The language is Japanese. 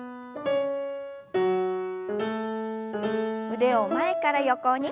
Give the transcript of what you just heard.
腕を前から横に。